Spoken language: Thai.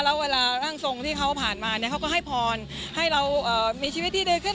แล้วเวลาร่างทรงที่เขาผ่านมาเนี่ยเขาก็ให้พรให้เรามีชีวิตที่ดีขึ้น